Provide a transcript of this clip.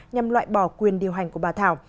nhằm loại bỏ quyền điều hành của bà thảo